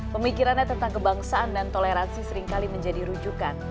pemikirannya tentang kebangsaan dan toleransi seringkali menjadi rujukan